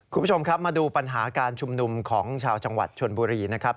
คุณผู้ชมครับมาดูปัญหาการชุมนุมของชาวจังหวัดชนบุรีนะครับ